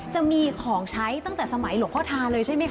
จะมีของใช้ตั้งแต่สมัยหลวงพ่อทาเลยใช่ไหมค